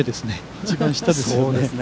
一番下ですね。